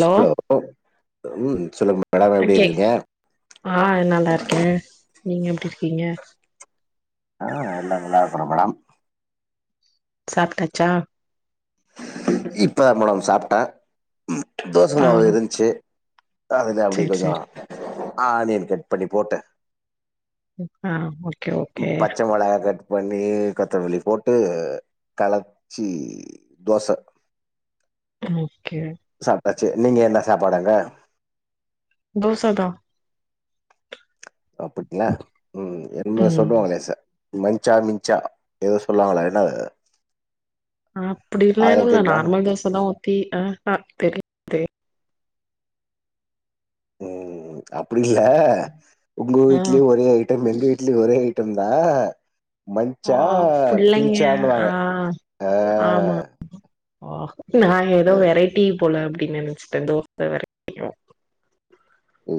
ச் ஹலோ உஹ்ம் சொல்லுங்க மேடம் ஆ எப்டி கே இருக்கீங்க ஆ நல்லா இருக்கே நீங்க எப்டி இருக்கீங்க ஆஹ் எல்லா நல்லா இருக்கறோ மேடம் சாப்ட்டாச்சா இப்பதா மேடம் சாப்ட்டே உம் தோச ஆ மாவு இருந்துச்சு அதுல்ல அப்டியே சேரி கொஞ்சோ சேரி ஆனியன் கட் பண்ணி போட்டு ம் ஆஹ் ஒ பு பச்ச மொளகா கட் பண்ணி கொத்தமல்லி போட்டு களச்சி தோச உஹ்ம் ஓகே டாச்சு நீங்க என்ன சாப்பாடு அங்க தோசதா அப்புடியா உம் என்மா ம் சொல்லுவாங்களே சா மஞ்சா மிஞ்சா எதோ சொல்லுவாங்களே என்னது ஆப்டில்லா எதுவு இல்ல நார்மல் தோச தா ஊத்தி அஹ்ஹ தெரியாது உம் அப்டி இல்ல உங்க ஆ வீட்டிலேயு ஒரே ஐட்டம் எங்க வீட்டிலேயு ஒரே ஐ டம்தா ஆப்பில்லைங்க ஆஹ் ஆ ஆமா ஓ நா அ ஏதோ வெரைட்டி போல அப்டின்னு நெனச்சுட்டே தோச வெரைட்டியு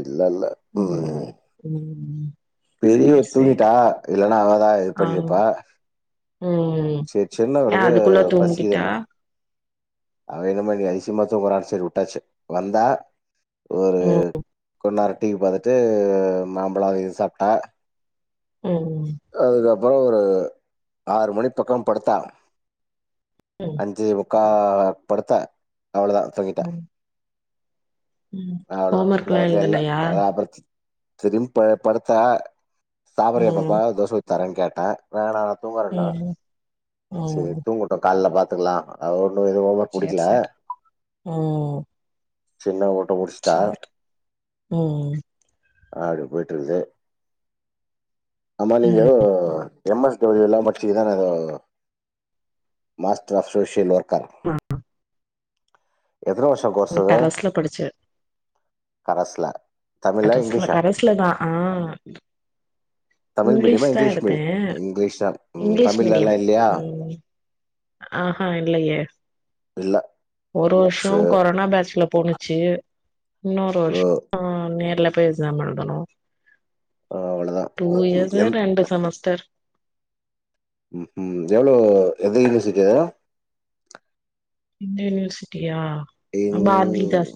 இல்லல்ல ம் உம் ம் பெரியவ சேரி சேரி தூங்கிட்டா இல்லன்னா அவ தான் இது பண்ணி இருப்பா உம் ஏன் அதுக்குள்ள தூங்கிக்கிட்டா பசிக்குதுன்னு அவ என்னம நீ அதிசியமா தூங்குறா சரி விட்டாச்சு வந்தா ஒரு ம் கொன்னார் டிவி பாார்த்தட்டு மாம்பழம் அது இது சாப்பிட்டா ம் அதுக்கப் அப்புறம் ஒரு ஆறு மணி பக்கம் படுத்தா ம் அஞ்ச கா படடுத்த அவ்வளோதான் தங்கிட்டேன் உம் ஹோம் ஒர்க் எல்லாம் எழுதலையா திரும்ப படுத்தா ம் சாவரப்ப தோசை ஊத்தி தரேன்ன கேட்டன் வேண தூங்குறன்னா ம் சரி ம் தூங்கட்டும் காலல ப்த்த க்கலாம் அவ ஒன்னும் எதுவும் ஹோம் ஒர்க் சேர் முடிக்கல சேரி சின்ன ஒ சரி உஹம் ஆடு போயட்டுிருக்கு அனா நீங்க ம் M S டபிள்யூல்லா [unintelligible] master of social worker ஆமா எத்தன வருஷோ கோஸ் நீ அது கரஸ்ல படிச்ச கரஸ்ல தமிழா கரசுல இங்கிலீஷா கரசுலதா ஆஹ் தமிழ் மீடியமா இங்லீஷ் மீ இங்லீஷ் தா ம் இங்கிலீஷ் தமிழ்லல்லா மீடியம் இல்லயா ம் ஆஹா இல்லையே இல்ல ஒரு வருஷோ சரி கொரோனா பேட்ஜ்ல போணுச்சு இன்னூறு ஓ, ருஷோ ஆஹ் நேர்ல பேசாம எழுதனு ஆ அவ்ளதா டூ இயர்ஸ்ல ரெண்டு செமஸ்டர் உம் ஜல எதுலருது செஞ் இந்த யூனிவர்சிட்டி ம்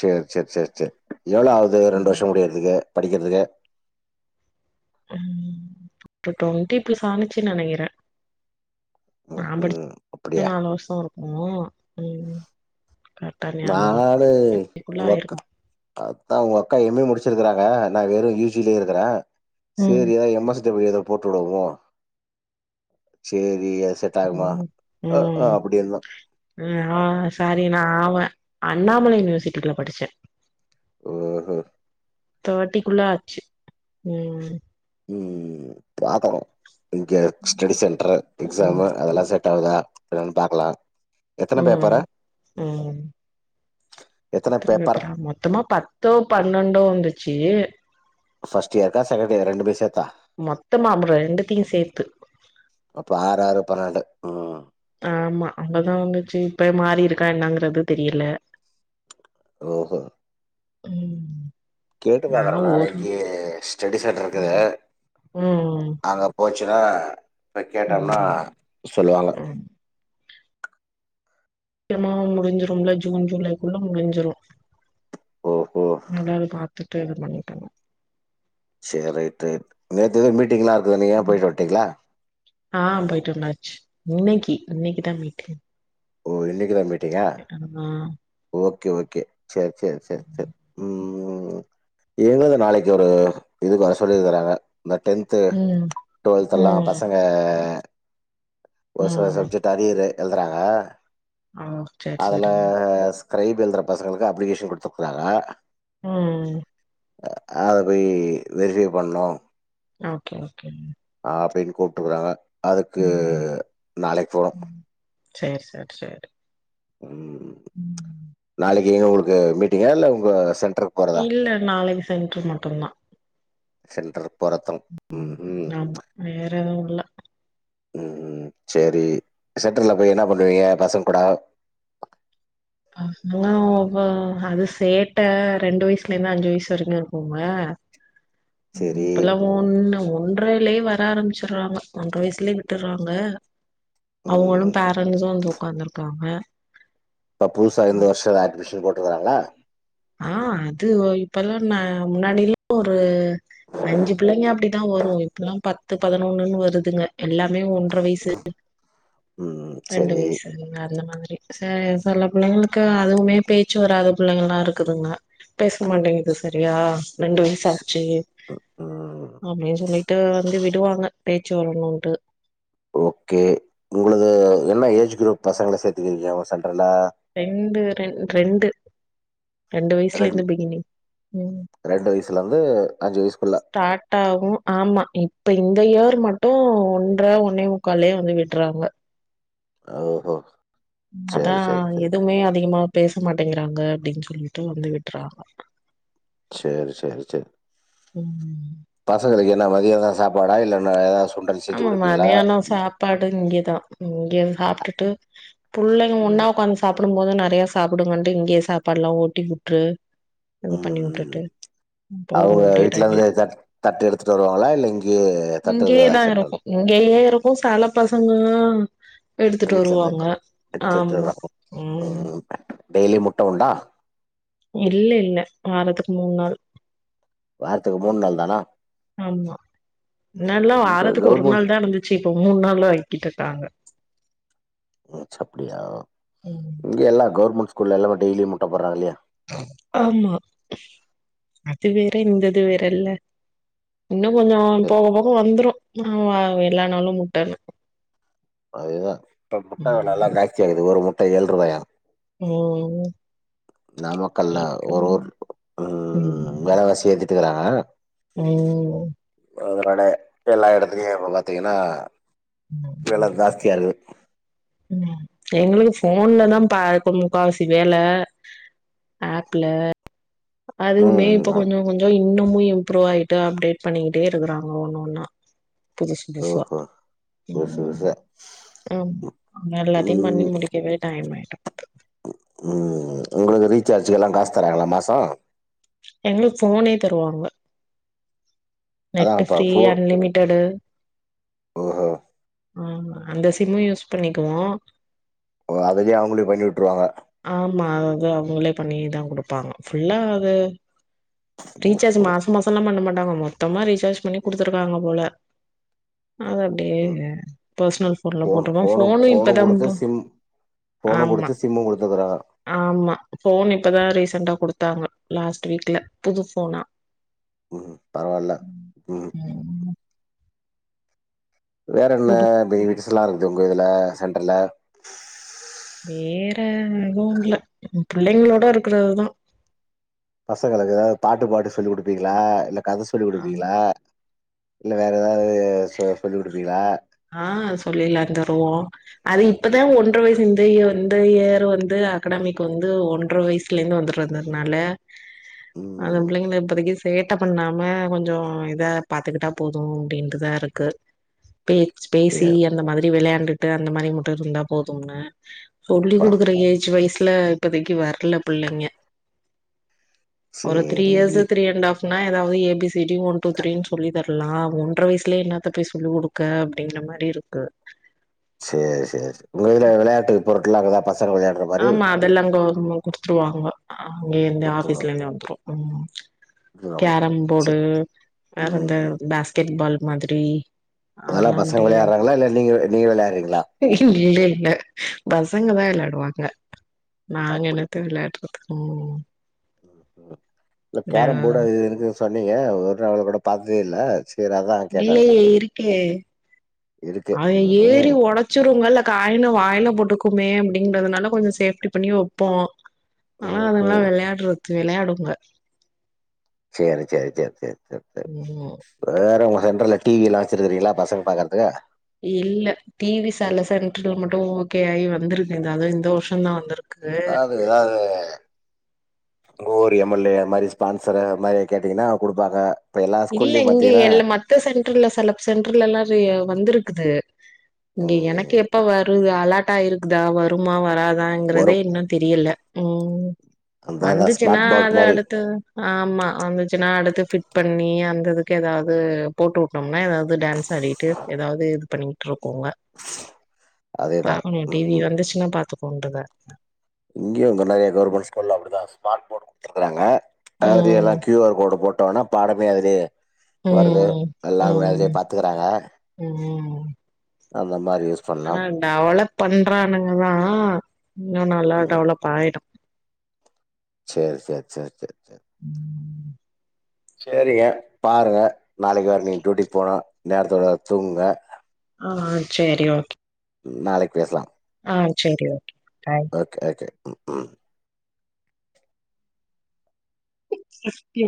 சேர் சேர் சேர் சேர் சேர் எவ்ளோ ஆகுது ரெண்டு ம் வருஷோ முடிறதுக்கு படிகறதுக்கு ம் இப்ப டொண்டிப்பிஸ் ஆணிச்சுன்னு நெனக்கிற ம் நா படிச் ம் அப்டியா நாலு வருஷோ இருக் ஓ உம் நானே உங்க கோக்க ஆயிருக்கு அதா உங்க அக்கா எம் எ முடிச் ருக்கறாங்க நா வெறு இ ஜி லே இருக்கிறே ம் சேரியா எம் எஸ் [unintelligible] போட்டு விடுவோ சேர்ரி ஆ உம் ஆஹ் சரி நா ஆவ அண்ணாமலை யூனிவர்சிட்டிக்குள்ள படிச்சே ஓஹோ தே டிக்குள்ள ஆச்சு உம் உம் பாக்கனு இங்க ஸ்ட்டி சென்டரு ம் எக்ஸாமு அதெல்லா செட் ட்டாகுதா பாக்கலா எத்தன உம் பேப்பரு உம் எத்தன பேப்பரா மொத்தமா பத்தோ பன்னொண்டோ வந்துச்சு ஃபஸ்ட் இயருக்கா செகண்ட் இயர் ரெண்டுமே சேத் மொத்தமா அப்றோ ரெண்டுத்தையு சேத்து பனெண்டு உம் ஆம்மா அங்கதா வந்துச்சு இப்ப மாறிருக்கா என்னங்றது தெரியல ரோ ஒ உம் கேட்டு பாக்குற நாளைக்கி ஸ்டேடி சென்டர் ம் இருக்குது ம் அங்க போச்சு தா இப்ப கேட்டோனா ம் சொல்லுவாங்க ம் க்கிரமா முடிஞ்சிரும்ல ஜூன் ஜூலைக்குள்ள முடிஞ்சிரு ஓஹோ திட்டது பண்ணிக்கங்க சேர் ரைட் ரைட் நேத்து மீட்டிங்லா இரு து நீயா போயிட்டு வட்டீங்ளா ஆஹ் போயிட்டு வந்தாச்சு இன்னைக்கி இன்னைக்கு தான் மீட்டிங் ஓ இன்னைக்கு தா மீட் ஹ ஓகே ஓகே சேரி சேரி சேரி சேரி உம் எங்கள நாளைக்கு ஒரு இது வர சொல்லி இருக்கறாங்க இந்த டென்த்து ம் டுவெல்த் தெல்லா ம் பசங்க ஒரு சில ம் சப்ஜட்டு அரியறு எழுதுறாங்க ஓ சேரி அதுலா சேரி கிரைபெல்துர பசங்களுக்கு அப்ளிகேஷன் கொடுத்திருக்குறாங்க உஹம் அத போய் வெரிஃபை பண்ணோ ஓகே ஓகே ஆ அப்டின்னு கூப்டுக்கறாங்க அதுக்கு ம் நாளைக்கு போனு சேரி ம் உம் நாளைக்கு எங்க உங்களுக்கு மீட்டிங்க இல்ல உங்க சென் இல்ல நாளைக்கு சென்டர் மட்டும்தா சென்டர் உம் ஆமா வேற இல்ல உம் சேரி சென்ட்ர்ல போய் என்ன பண்ணுவீங்க பசங்கூட ஆக்சுவலா அவ சேட்ட ரெண்டு வயசுல இருந்து அஞ்சு வயசு வரைக்கு இருக்குங்க சேரி இப்பல்லா ஒன்னு ஒன்னு ஒன்றரையிலயே வர ஆரம்பிச்சடுறாங்க ஒன்ற வயசுலயே விட்டுறாங்க ம் அவுங்களு பேரன்சும் வந்து உக்காந்துருக்காங்க இப்ப புதுசா இந்த வருஷோ அட்மிஷன் போட்டிக்கறாங்களா ஆஹ்ன் அது ஒ இப்பெல்லா நா முன்னாடிலா ஒரு அஞ்சு பிள்ளைங்க அப்டி தா வரு இப்பல்லா பத்து பதினொன்னுன்னு வருதுங்க எல்லாமே ஒன்ற வயசு ம் ரெண்டு சேரி வயசு [unintelligible] அதுல மாதிரி ச செல பிள்ளைங்களுக்கு அதுவுமே பேச்சு வராத பிள்ளைங்கல்லா இருக்குதுங்க பேச மாட்டேங்குது சரியா ரெண்டு வயசு ஆச்சு ம் அப்டின்னு சொல்லிட்டு வந்து விடுவாங்க பேச்சு வர்ணோன்டு ஓகே உங்களது என்ன ஏஜ் குரூப் பசங்கள சேத்துக்குவிங்க வசன் ரெண்டு ரெண் ரெண்டு ரெண்டு வயசுல ரெண் இருந்து பிகினிங் ம் ரெண்டு வயசுல இருந்து அஞ்சு வயசுக்குள்ள ஸ்டார்ட்டாகும் ஆமா இப்ப இந்த இயர் மட்டும் ஒன்ற ஒன்னே முக்கால்லயே வந்து விட்றாங்க ஓஹோ சேரி அதான் சேரி சேரி எதுவுமே அதிகமா பேச மாட்டேங்கிறாங்க அப்டின்னு சொல்லிட்டு வந்து விட்றாங்க சேரி சேரி சேரி ம். பசங்களுக்கு லாம் மதியம் தான் சாப்பாடா இல்லனா எதாச்சு ஆமா மதியானம் சாப்பாடு இங்கதான் இங்க சாப்டுட்டு புள்ளைங்க ம் ஒன்னா ஒக்காந்து சாப் ப்பிடும்போது நெறைய சாப்பிடுங்கன்டு இங்கேயே சாப்பாடுலாம் ஊட்டி விட்ருவோம் உம் உம் ம் அவுங்க போகும் அப்டியே வீட்ல டைமே. இருந்து தட் தட்டு எடுத்துட்டு வருவாங்களா இல்லை இங்கயே தட்டெல்லாம் செ உம் ம் இங்கயே இருக்கும் செல பசங்களும் எடுத்துட்டு வீட்ல இருந்து வருவாங்க த தட்டு எடுத்துட்டு ஆமா வருவாங்களா? உம் ம் டெய்லி முட்ட உண்டா இல்ல இல்ல வாரத்துக்கு மூணு நாள் வாரத்துக்கு மூணு நாள் தானா? ஆமா முன்னாடிலாம் இங்க வாரத்துக்கு ஒரு கவர்மெண்ட் நாள் தான் இருந்துச்சு இப்போ மூணு நாளா ஆக்கிக்கிட் டாங்க [unintelligible] அப்படியியா இங்க எல்லாம் கௌர்மண்ட் ஸ்கூல்லலாம் இப்ப டெய்லி முட்டை போடுறாங்கில்லையா ஆமா அது வேற இந்தது வேறல்ல இன்னும் கொஞ்சம் போக போக வந்துரும் ஆன் எல்லா நாளும் முட்டனு அதுதா இப்ப முட்ட வெல எல்லா ஜாஸ்தி ஆகுது ஒரு முட் ட ஏள்ரூபாயா ஓ நாமக்கல்ல ஒரொர் உம் வேலவாசிய இ த்துறாங்க உம் அதுனால எல்லா எடத்துலயு இப்ப பாத்தீங்கன்னா வெல ஜாஸ்தியா [unintelligible] இருக்குது உம் எங்களுக் ஃபோன்ல தா பா முக்கா வாசி வேல ஆப்ல அதுக்குமே ம் இப்ப ஆ கொஞ்சோ கொஞ்சோ இன்னமு இம்ப்ரூவ் ஆயிட்டு அப்டேட் பண்ணிக்கிட்டே இருக்கறாங்க ஒன்னொன்ன புதுசு புதுசா ஓஹோ புதுசு உம் புதுசா ஆம் எல்லாத்தயு பண்ணி ம் முடிக்கவே டைம் ஆயிடும் உம் உங்களுக்கு ரீசார்ஜு எல்லா காஸ் தராங்களா மாசோ எங்களுக் போனே தருவாங்க அதா நெட் இப்ப ஃப்ரீ ஃபோ அன்லிமிடட் ஓஹோ ஆமா அந்த சிம்மு யூஸ் பண்ணிக்குவோ ஓ அதுலே அவுங்களே பண்ணிட்டுருவாங்க ஆமா அது அவங்களே பண்ணிதா குடுப்பாங்க ஃபுல்லா அது ரீச்சார்ஜ் ஓஹோ மாசோ மாசோ லா பண்ண மாட் ஆமாம்மா சுத்தமா ரீசார்ஜ் பண்ணி குடுத்துருக்காங்க போல அது அப்டியே ம் பர்சனல் போன்ல ஃபோனு போட்டுருக்கோ ஃபோனு போனே ஃபோனு இப்பதா குடுத்து சிம் ஃபோனு ஆம்மா குடுத்து சிம்மு குடுத்துக்குறாங்க ஆம்மா போன் இப்பதா ரீசன்டா குடுத்தாங்க லாஸ்ட் வீக்ல புது போனா உம் பரவால்ல உம் ம் வேற என்ன குடு பெயில்ஸ் ல்லா இருக்கு உங்க இதுல சென்டர்ல வேற எதுவு இல்ல புள்ளைங்களோட இருக்றதுதா பசங்களுக்கு எதாது பாட்டு பாடி சொல்லி் குடுப்பீங்களா இல்ல கத சொல்லி ஆமா. குடுப்பீங்களா இல்ல வேற எதாவது சொ சொல்லி குடுப்பீங்களா ஆ சொல்லிலாம் [unintelligible] அது இப்பதா ஒன்ற வயசு இந்த இ இந்த இயர் வந்து அகடமிக் வந்து ஒன்ற வயசுல இருந்து வந்து இருந்ததுனால அது ம். பிள்ளைங்கள இப்பதைக்கு சேட்ட பண்ணாம கொஞ்சோ இதா பாத்துக்கிட்டா போது அப்டின்டுதா இருக்கு பே எ ஸ்பேசி அந்த மாதிரி விளையாண்டு விட்டுட்டு அந்த மாரி மட்டும் இருந்தா போதும்னு சொல்லி ப கொடுக்குற ஏஜ் வயசு ல இப்பதைக்கு வரல பிள்ளைங்க ஒரு திரீ சேரி. இயர்ஸ் திரீ அண்ட் ஆஃப் னா ஏதாவது A B திடி one two three சொல்லிதர லா ஒன்ற வயசுலயேனாத்த போய் சொல்லி கொடு க அப்டிங்குற மாரி இருக்கு சேரி சேர் சேர் உங்க இதுல விளையாட்டு பொருட்கள்லா அங்கதா பஸ் ஆமா அதெல்லா கவ்ர்ம கு துவாங்க அங்கயே இருந்து குடுத்துருவா ஆஃபீஸ்ல இருந்தே வந்துரு ம் குடுத்துருவாங்க. கேரம் போடு சரி. வேற அந்த பேஸ்கெட் பால் மாதிரி அதெலா அதெல்லா பசங்க அப்டியே வெளையாடுறாங்ளா இல்ல நீங்க நீங்க வெளையாடுறிங்ளா ல பசங்கதா விளாடுவாங் அ நாங்க அப்படி. என்னத்த விளாடுறது ம் ம். இல்ல இந்த கேரம் போடு அது இது இருக் சொன்னிங்க ஒரு நாள்ல கூட பாத்ததே இல்ல. சரி அதான் கேட்டேன். இல்லயே இருக்கே இருக்கு. அத ஏறி ம்ஹ்ம். ஒடச்சிருங்க இல்ல காய்ன வாய்ல போட்டுக்கு க்குமே அப்டிங்றதுனால கொஞ்சோ சேஃப்டி பண்ணி வெப்போ ஆனா அதுங்ளா ம்ஹ்ம். வெளயாடறது விளையாடுங்க செரி செரி செர் செர் சர் சரி ம் வேறமா சென்டர்ல டிவி எல்லா வச்சிருக்றிளா பசங்க பாக்கறதுக்கு இல்ல டி வி சாலசென் இன்ட்ரிவ்யூல மட்டு ஓகே ஆயி வந்துருக்கு அதுவு இந்த வருஷந்தா வந்ருக்கு அதாது அது உங்க ஊரு எம் எல் ஏ அது மாரி ஸ்பான்சர அது மாரி கேட்டிங்னா குடுப்பாங்க எல்லா இல்ல ஸ்கூல்லயு இங்க பாத்தீங்கன்னா இல் மத்த சென்டர்ல செல சென்டர்லலா வந்துருக் இருக்குது இங்க எனக்கு ம் எப்ப வருது அலாட் தா இருக்குதா வருமா வரா வரு தாங்கறதே இன்னு தெரியல ம் அந்த அதா வந்துச்சுன்னா ஸ்மார்ட் போர்ட் அத மாரி அடுத்து ஆமா வந்துச்சுன்னா அடுத்து ஃபிட் பண் பண்ணி அந்ததுக்கு ஏதாவது போட்டு வுட்டோம்னா ஏதாவது டான்ஸ் ஆடிட்டு ஏதாவது இது பண்ணி விட்ருக்கோங்க அதேதா பாக்கணும் டி வி ம் வந்துச்சுன்னா பாத்து கொண்டுதா இங்கயு இங்க நெறைய கவர்மண்ட் ஸ்கூல்லா அப்டிதான் ஸ்மார்ட் போர்டு குடுத்துருக்காங்க அதாவது ம் எல்லாம் கியூ ஆர் கோடு போட் டோனா பாடமே அதுலயே வருது ம் எல்லாம் வேலையே ம் பாத்துக்கறாங்க ஆமாம் ஆஹ் டெவலப் பண்றானுங்கதான் இன்னும் நல்லா டெவலப் ஆய்டும் சேர் சேர் சேர் சேர் சேர் சேரிங்க பாருங்க நாளைக்கு ம் வேற நீ டியூட்டிக்கு போனு நேரத்தோட தூங்குங்க ஆஹ் ஆஹ் சேரி ஓகே நாளைக் பேசலாம் ஆ சேரி ஓகே பாய். ஓகே ஓகே உ உம் இவன்